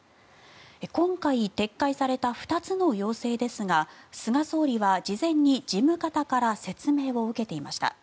今回撤回された２つの要請ですが菅総理は事前に事務方から説明を受けていました。